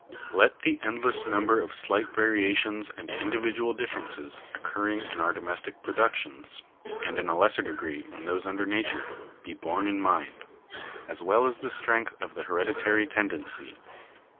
Let the endless* number of slight variations and individual differences oc curring in our domestic productions, and in a lesser degree in those under nature, be borne in mind; as well as the strength of the hereditary tendency.